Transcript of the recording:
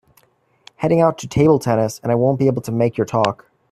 Heading out to table tennis and I won’t be able to make your talk.